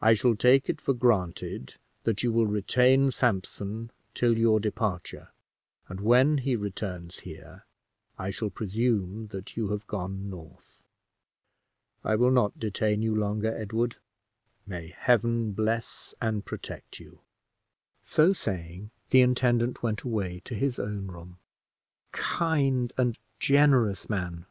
I shall take it for granted that you will retain Sampson till your departure, and when he returns here I shall presume that you have gone north. I will not detain you longer, Edward: may Heaven bless and protect you!" So saying, the intendant went away to his own room. "Kind and generous man!"